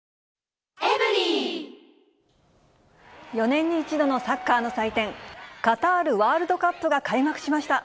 ４年に１度のサッカーの祭典、カタールワールドカップが開幕しました。